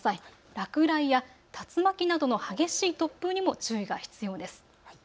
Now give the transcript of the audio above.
落雷や竜巻などの激しい突風にも注意が必要です。